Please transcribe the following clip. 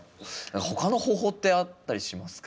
他の方法ってあったりしますか？